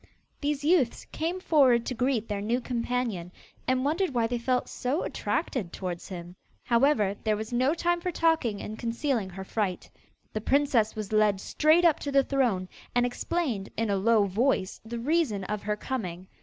These youths came forward to greet their new companion, and wondered why they felt so attracted towards him. However, there was no time for talking and concealing her fright. The princess was led straight up to the throne, and explained, in a low voice, the reason of her coming.